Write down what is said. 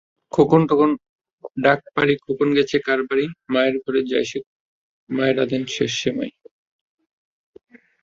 খোকন খোকন ডাক পাড়িখোকন গেছে কার বাড়িবাসুর মায়ের ঘরে যাইসে-মাই রাঁধেন শেষ সেমাই।